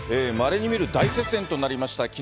まれに見る大接戦となりました、